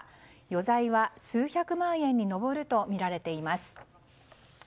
余罪は数百万円に上るとみられています。